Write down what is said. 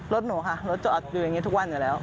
รถหนูค่ะรถจอดอยู่อย่างนี้ทุกวันอยู่แล้ว